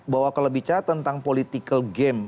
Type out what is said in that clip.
bahwa kalau bicara tentang political game